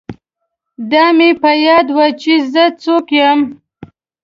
دا مې په یاد وي چې زه څوک یم